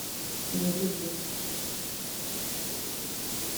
inguge